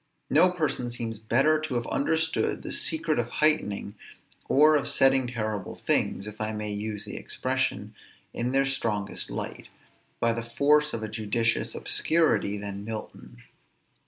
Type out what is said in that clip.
No person seems better to have understood the secret of heightening, or of setting terrible things, if I may use the expression, in their strongest light, by the force of a judicious obscurity than Milton.